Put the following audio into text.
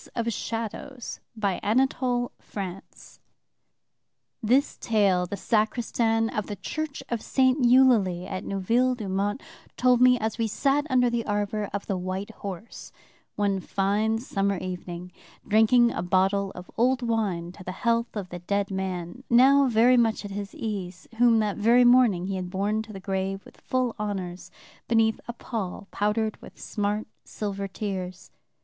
By permission of the publishers. This tale the sacristan of the church of St. Eulalie at Neuville d'Aumont told me, as we sat under the arbor of the White Horse, one fine summer evening, drinking a bottle of old wine to the health of the dead man, now very much at his ease, whom that very morning he had borne to the grave with full honors, beneath a pall powdered with smart silver tears.